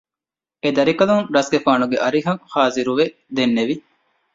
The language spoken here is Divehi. އެދަރިކަލުން ރަސްގެފާނުގެ އަރިހަށް ޚާޒިރުވެ ދެންނެވި